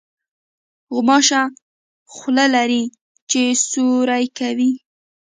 غوماشه خوله لري چې سوري کوي.